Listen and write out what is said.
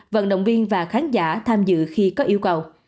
vận động viên và khán giả tham dự khi có yêu cầu